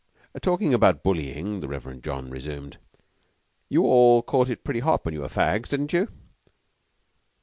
"Talking about bullying," the Reverend John resumed, "you all caught it pretty hot when you were fags, didn't you?"